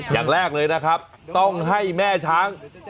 อย่างแรกเลยนะครับต้องให้แม่ช้าง